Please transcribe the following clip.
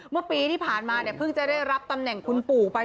เมื่อปีที่ผ่านมาเนี่ยเพิ่งจะได้รับตำแหน่งคุณปู่ไป